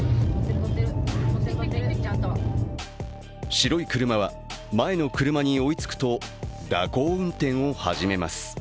白い車は前の車に追いつくと蛇行運転を始めます。